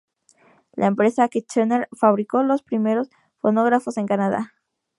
La empresa Kitchener, fabricó los primeros fonógrafos en Canadá.